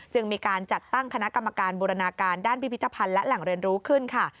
จึงมีการจัดตั้งคณะกรรมการบูรณาการด้านพิพิธภัณฑ์และแหล่งเรียนรู้ขึ้นค่ะ